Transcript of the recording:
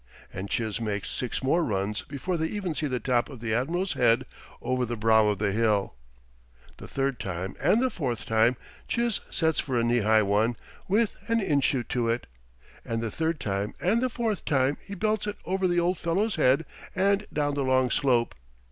And Chiz makes six more runs before they even see the top of the admiral's head over the brow of the hill. The third time, and the fourth time, Chiz sets for a knee high one with an inshoot to it, and the third time and the fourth time he belts it over the old fellow's head and down the long slope.